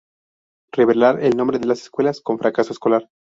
Revelar el nombre de las escuelas con fracaso escolar.